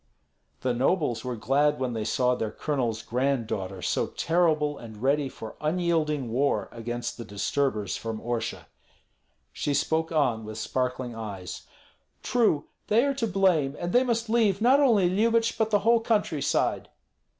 The nobles were glad when they saw their colonel's granddaughter so terrible and ready for unyielding war against the disturbers from Orsha. She spoke on with sparkling eyes: "True, they are to blame; and they must leave not only Lyubich, but the whole country side."